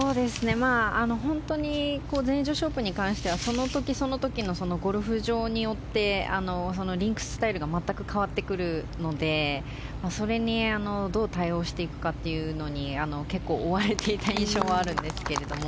本当に全英女子オープンに関してはその時その時のゴルフ場によってリンクススタイルが全く変わってくるのでそれにどう対応していくかというのに結構追われていた印象はあるんですけども。